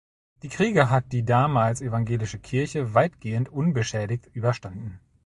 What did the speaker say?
Die Kriege hat die damals evangelische Kirche weitgehend unbeschädigt überstanden.